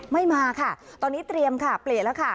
ไม่มาค่ะตอนนี้เตรียมค่ะเปลี่ยนแล้วค่ะ